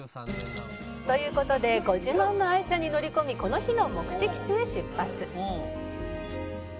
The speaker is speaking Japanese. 「という事でご自慢の愛車に乗り込みこの日の目的地へ出発」